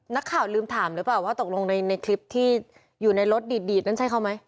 นักข่าวลืมถามหรือเปล่าว่าตกลงในคลิปที่อยู่ในรถดีดนั่นใช่เขาไหม